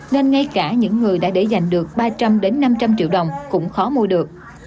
nên ngay cả những người đã để giành được ba trăm linh năm trăm linh triệu đồng cũng khó mua được